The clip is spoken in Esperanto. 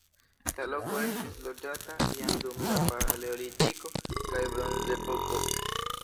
La loko estis loĝata jam dum la paleolitiko kaj bronzepoko.